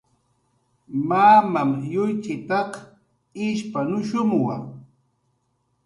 Mamam yuychitaq ishpanushumwa